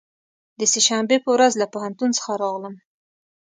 د سه شنبې په ورځ له پوهنتون څخه راغلم.